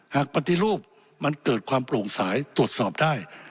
ปฏิรูปมันเกิดความโปร่งสายตรวจสอบได้